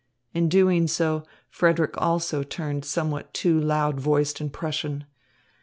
In doing so, Frederick also turned somewhat too loud voiced and Prussian.